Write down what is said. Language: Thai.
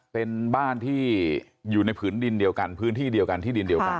เป็นบ้านที่อยู่ในผืนดินเดียวกันพื้นที่เดียวกันที่ดินเดียวกัน